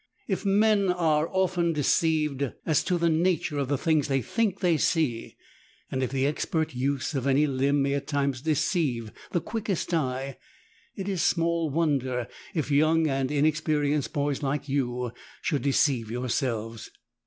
If men are often deceived as to the nature of the things they think they see, and if the expert use of any limb may at times deceive the quickest eye, it is small wonder if young and inexperienced boys like you should deceive yourselves.